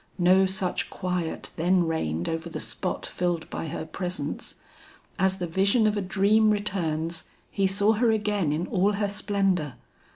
No such quiet then reigned over the spot filled by her presence. As the vision of a dream returns, he saw her again in all her splendor.